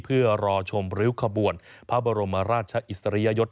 เพื่อรอชมริ้วขบวนพระบรมราชอิสริยยศ